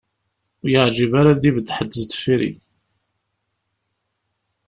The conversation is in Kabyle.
Ur y-iεǧib ara ad d-ibedd ḥedd sdeffir-i.